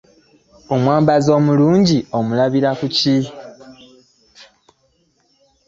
Omwambazi omulungi omulabira ku ki?